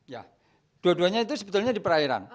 ya dua duanya itu sebetulnya di perairan